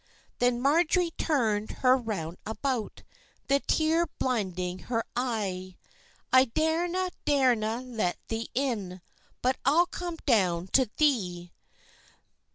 Then Marjorie turn'd her round about, The tear blinding her e'e; "I darena, darena let thee in, But I'll come down to thee."